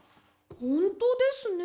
ほんとですね。